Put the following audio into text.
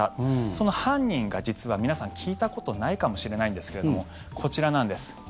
その犯人が実は皆さん聞いたことないかもしれないんですけれどもこちらなんです。